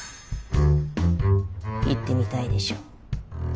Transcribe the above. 言ってみたいでしょ。